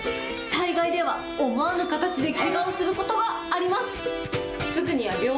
災害では、思わぬ形でけがをすることがあります。